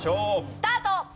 スタート！